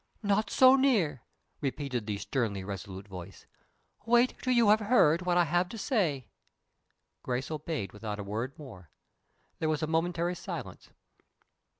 "Not so near," repeated the sternly resolute voice. "Wait till you have heard what I have to say." Grace obeyed without a word more. There was a momentary silence.